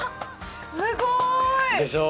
すごい！でしょ？